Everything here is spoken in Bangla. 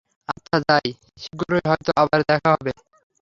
আচ্ছা যাই, শীঘ্রই হয়ত আবার দেখা হবে।